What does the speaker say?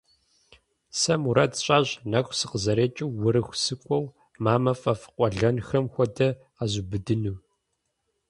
Сэ мурад сщӀащ, нэху сыкъызэрекӀыу Урыху сыкӀуэу, мамэ фӀэфӀ къуэлэнхэм хуэдэ къэзубыдыну.